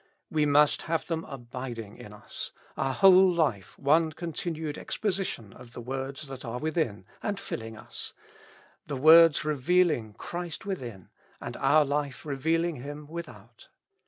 We must have them abiding in us : our whole life one continued exposition of the words that are within, and filling us ; the words re vealing Christ within, and our life revealing Him without.